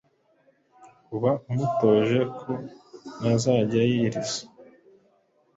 uba umutoje ko nazajya yiriza,